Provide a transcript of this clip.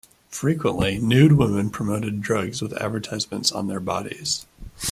Frequently, nude women promoted drugs with advertisements on their bodies.